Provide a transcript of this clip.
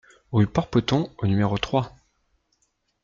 Rue Port Poton au numéro trois